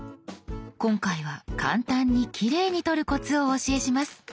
今回は簡単にきれいに撮るコツをお教えします。